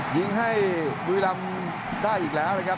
ยิงให้บุรีรำได้อีกแล้วนะครับ